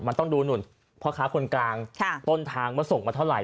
มันต้องดูหนุ่นพ่อค้าคนกลางต้นทางว่าส่งมาเท่าไห